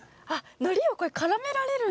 のりをこれ絡められるんだ。